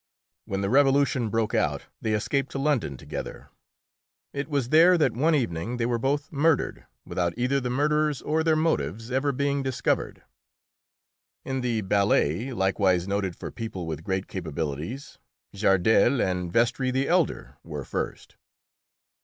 When the Revolution broke out they escaped to London together. It was there that one evening they were both murdered, without either the murderers or their motives ever being discovered. In the ballet, likewise noted for people with great capabilities, Gardel and Vestris the elder were first.